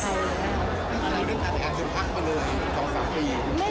แล้วเรื่องทางแต่งงานคือพักมาเลย๒๓ปี